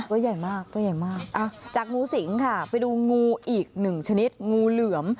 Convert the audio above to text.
ตัวใหญ่มากจากงูสิงค่ะไปดูงูอีกหนึ่งชนิดงูเหลือม